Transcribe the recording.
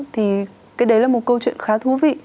thì cái đấy là một câu chuyện khá thú vị